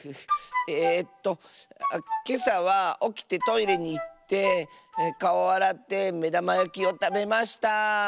えっとけさはおきてトイレにいってかおあらってめだまやきをたべました。